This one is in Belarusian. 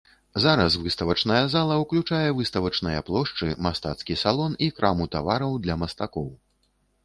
Зараз выставачная зала ўключае выставачныя плошчы, мастацкі салон і краму тавараў для мастакоў.